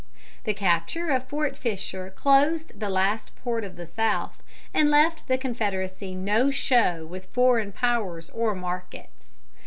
The capture of Fort Fisher closed the last port of the South, and left the Confederacy no show with foreign Powers or markets.